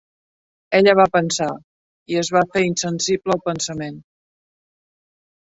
Ella va pensar; i es va fer insensible al pensament.